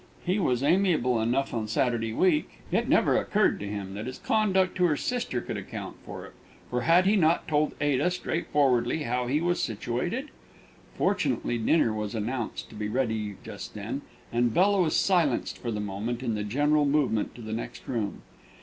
She was amiable enough on Saturday week. It never occurred to him that his conduct to her sister could account for it, for had he not told Ada straightforwardly how he was situated? Fortunately dinner was announced to be ready just then, and Bella was silenced for the moment in the general movement to the next room.